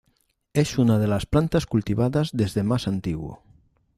Es una de las plantas cultivadas desde más antiguo.